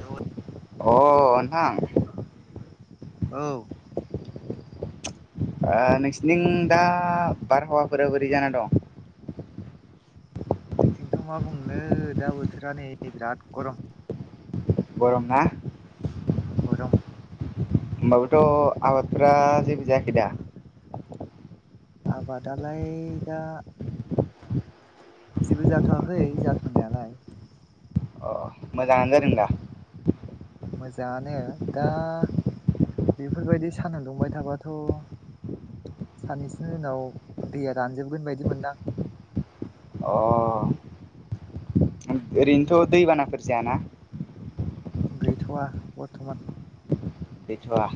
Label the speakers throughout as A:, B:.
A: Hello
B: अ ओनथां
A: औ।
B: नोंसिनिथिं दा बारहावाफोरा बोरै जाना दं?
A: जोंनिथिंथ' मा बुंनो दा बोथोरा नै बिराद गर'म।
B: गर'मना?
A: गर'म।
B: होमबाबोथ' आबादफ्रा जेबो जायाखै दा?
A: आबादालाय दा जेबो जाथ'वाखै जाथ'नायालाय
B: अ मोजाङानो जादों दा?
A: मोजांङानो दा बेफोरबायदि साना दुंबाय थाबाथ' साननैसोनि उनाव दैया रानजोबगोन बायदि मोनदां
B: अ ओरैनोथ' दैबानाफोर जायाना?
A: गैथ'वा बर्थमान
B: गैथ'वा?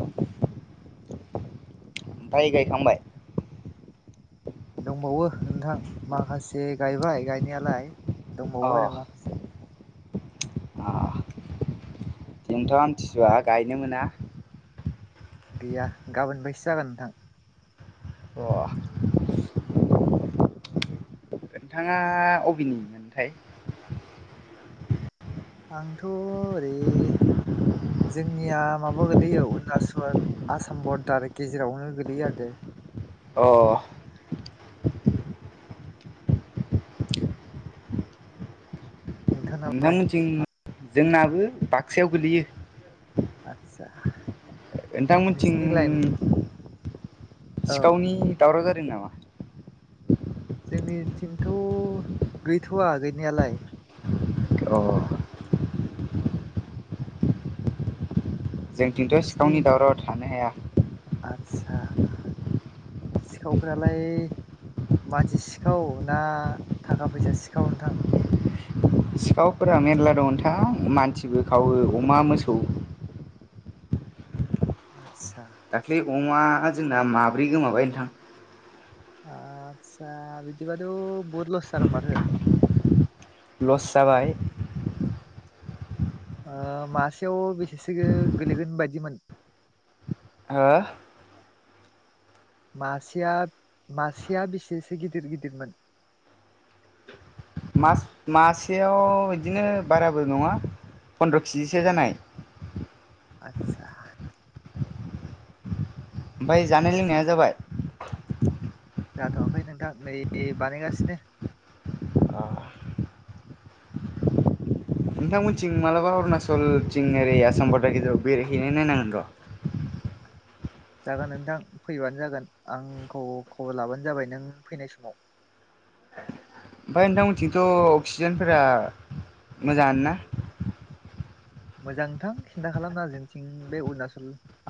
B: ओमफ्राय गायखांबाय?
A: दंबावो नोंथां माखासे गायबाय गायनायालाय।
B: अ
A: दंबावो आरो माखासे
B: दिनैथ' आमथिसुवा गायनो मोना
A: गैया गाबोन फायसो जागोन नोंथां
B: अ नोंथाङा अबिनि मोनथाय?
A: आंथ' ओरै जोंनिया माबा गोलैयो अरुणाचल आसाम बरदार गेजेरावनो गोलैयो आरो दे
B: अ
A: नोंथांनालाय
B: नोंथांमोनथिं जोंनाबो बाक्सायाव गोलैयो
A: सा
B: नोंथांमोनथिं
A: नोंसिनि लाइ
B: सिखावनि दावराव जादों नामा?
A: जोंनिथिंथ' गैथ'वा गैनायालाय
B: अ जोंथिंथ'
A: नोंसिनि
B: सिखावनि दावरावआ थानो हाया
A: आस्सा सिखावफोरालाय मानसि सिखाव ना थाखा फैसा सिखाव नोंथां?
B: सिखावफोरा मेरला दं नोंथां मानसिबो खावो अमा मोसौ
A: आतसा
B: दाख्लै अमा जोंना माब्रै गोमाबाय नोंथां
A: आतसा बिदि बाथ' बुहुद लस जागोन माथो
B: लस जाबाय
A: ओ मासेयाव बेसेसो गोलैगोन बायदिमोन?
B: हो
A: मासेया मासेया बेसेसो गिदिर गिदिरमोन?
B: मास-मासेयाव बिदिनो बाराबो नङा फन्द्र' किजिसो जानाय
A: आतसा
B: ओमफय जानाय लोंनाया जाबाय?
A: जाथ'वाखै नोंथां नै बानायगासिनो
B: नोंथांमोनथिं मालाबा अरुणाचल थिं ओरै आसाम बरदार गेजेराव बेरायहैनाय नायनांगोन र' [inaudible]
A: जागोन नोंथां फैबानो जागोन आंखौ खबर लाबानो जाबाय नों फैनाय समाव
B: ओमफाय नोंथांमोनथिंथ' अक्सिजेनफोरा मोजांआनो ना?
A: मोजां नोंथां सिनथा खालामनांआ जोंनिथिं बे अरुणाचल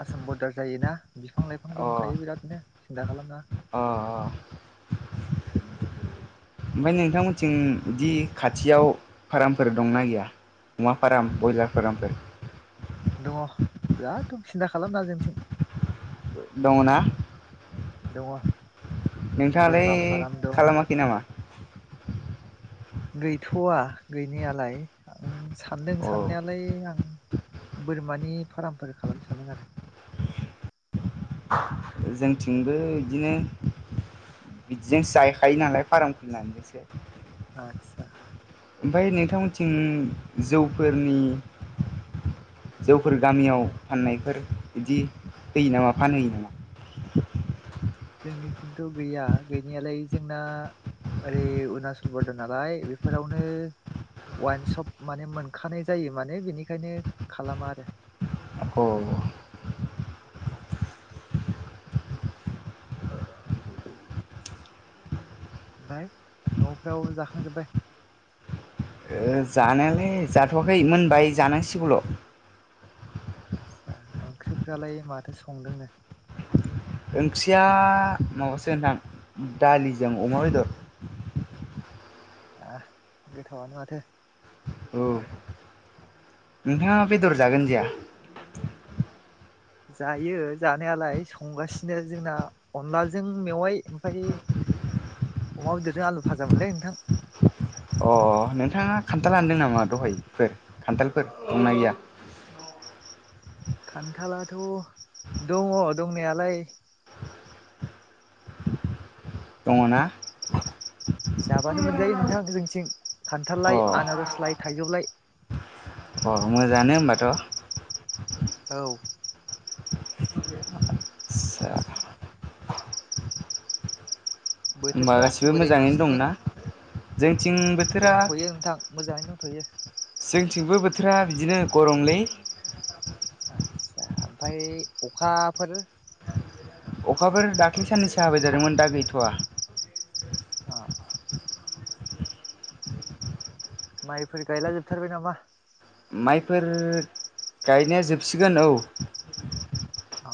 A: आसाम बरदार जायोना बिफां लाइफां दं दंखायो बिरादनो सिन्था खालाम नाङा
B: ओ ओ ओमफाय नोंथांमोनथिं दि खाथियाव फार्मफोर दंना गैया? अमा फाराम बयलार फारामफोर
A: दं बिराद दं सिन्था खालामनाङा जोंनिथिं
B: दङना?
A: दङो
B: नोंथाङालाय खालामाखै नामा?
A: गैथ'आ गैनायालाय आं सानदों
B: अ
A: साननायालाय आं बोरमानि फार्मफोर खालामनो सानदों आरो
B: जोंथिंबो इदिनो बिदिजोंसो जाखायो नालाय फार्म खुलिनानैसो
A: आदसा
B: ओमफ्राय नोंथांमोनथिं जौफोरनि जौफोर गामियाव फाननायफोर इदि होयो नामा फानहोयो नामा? [unintelligible]
A: जोंनिथिंथ' गैया गैनायालाय जोंना ओरै अरुणाचल बरदार नालाय बेफोरावनो वाइनसप माने मोनखानाय जायो माने बिनिखायनो खालामा आरो
B: अ ओ
A: आमफाय न'फ्राव जाखांजोब्बाय
B: ओ जानायालाय जाथ'वाखै मोनबाय जानांसिगौल'
A: आटसा ओंख्रिफ्रालाय माथो संदोंनो
B: ओंख्रिया माबासो नोंथां दालिजों अमा बेदर
A: ओह गोथावानो माथो
B: नोंथांआ बेदर जागोन जाया
A: जायो जानायालाय संगासिनो जोंना अनलाजों मेवाय आमफाय अमा बेदरजों आलु भाजामोनलै नोंथां
B: ओ नोंथांआ खान्थाल हानदों नामा दहायफोर खान्थालफोर दंना गैया
A: खान्थालाथ' दङ दंनायालाय
B: दंना
A: जाबानो मोनजायो नोंथां जोंनिथिं
B: अ
A: खान्थाललाय आनारसलाय थाइजौलाय
B: अ मोजाङानो होनोमबाथ'
A: औ
B: आदसा होमबा
A: बोथोरफ्रा
B: गासिबो
A: बोरै
B: मोजाङैनो
A: नोंसिनिथिं
B: दंना जोंथिं बोथोरा
A: दंथ'यो नोंथां मोजाङैनो दं थ'यो
B: जोंथिंबो बोथोरा बिदिनो गरमलै
A: आदसा आमफाय अखाफोर
B: अखाफोर दाख्लै साननैसो हाबाया थादोंमोन दा गैथ'वा
A: आ माइफोर गायला जोबथारबाय नामा
B: माइफोर गायनाया जोबसिगोन औ
A: अ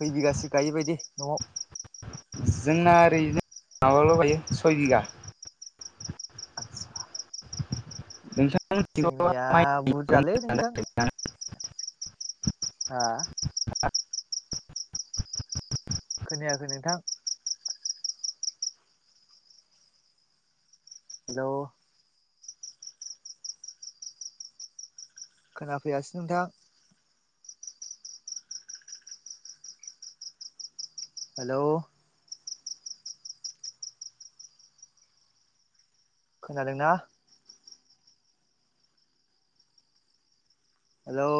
A: खै बिगासो गायो बायदि न'आव
B: जोंना ओरैनो माबाल' बायो सय भिगा
A: आदसा जोंनिया
B: नोंसांथिथ'
A: बुरजालै नोंथां
B: [inaudible]
A: हो खोनायाखै नोंथां हेल' खोनाफैयासै नोंथां हेलौ खोनादोंना? हेलौ